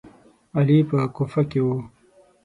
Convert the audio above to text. علي په کوفه کې و.